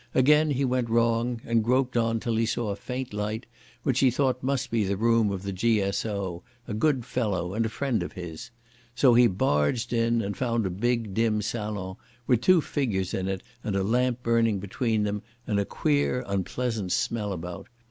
Again he went wrong, and groped on till he saw a faint light which he thought must be the room of the G.S.O., a good fellow and a friend of his. So he barged in, and found a big, dim salon with two figures in it and a lamp burning between them, and a queer, unpleasant smell about.